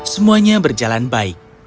semuanya berjalan baik